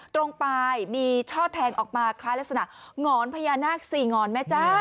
ตรงปลายมีช่อแทงออกมาคล้ายลักษณะงรพยานัก๔งรไหมเจ้า